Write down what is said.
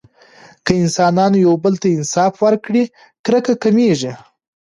که انسانانو یو بل ته انصاف ورکړي، کرکه کمېږي.